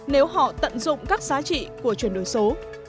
nếu họ tận dụng các giá trị của chuyển đổi số